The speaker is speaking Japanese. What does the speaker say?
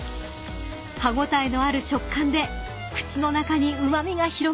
［歯応えのある食感で口の中にうま味が広がります］